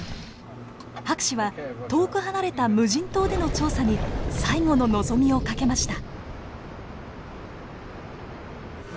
博士は遠く離れた無人島での調査に最後の望みを懸けました。